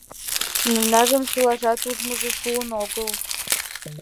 Мемнажым чылажат ужмыжо шуын огыл